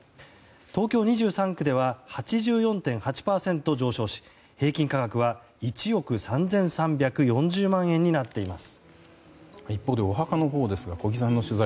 東京２３区では８４．８％上昇し平均価格は１億３３４０万円になっています。